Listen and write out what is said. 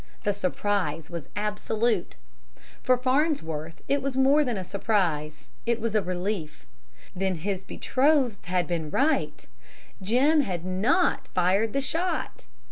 The surprise was absolute. For Farnsworth, it was more than a surprise; it was a relief. Then his betrothed had been right; Jim had not fired the shot!